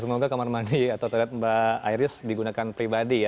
semoga kamar mandi atau toilet mbak iris digunakan pribadi ya